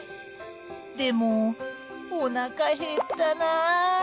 でもお腹減ったな。